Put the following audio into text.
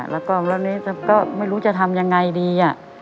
แล้วนี่ก็ไม่รู้จะทำอย่างไรดี